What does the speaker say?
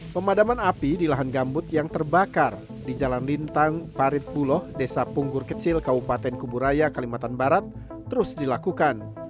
pemadaman api di lahan gambut yang terbakar di jalan lintang parit buloh desa punggur kecil kabupaten kuburaya kalimantan barat terus dilakukan